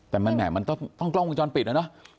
แต่ไหนให้มันต้องกล้องมงจรปิดอะเนาะ